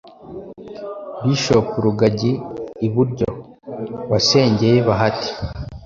Bishop Rugagi(iburyo) wasengeye Bahati